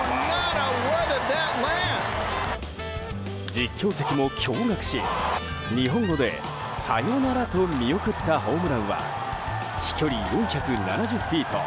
実況席も驚愕し日本語でサヨナラと見送ったホームランは飛距離４７０フィート